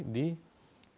di jepang dan tiongkok